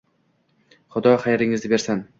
Xudo xayringizni bersin